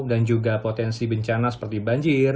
dan juga potensi bencana seperti banjir